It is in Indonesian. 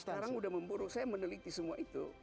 sekarang sudah memburuk saya meneliti semua itu